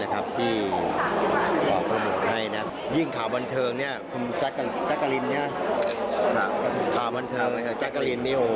ขอบคุณจริงขอบคุณมากแบบนี้